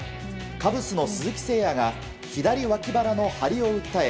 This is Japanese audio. カブスの鈴木誠也が左わき腹の張りを訴え